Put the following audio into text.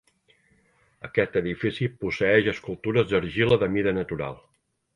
Aquest edifici posseeix escultures d'argila de mida natural.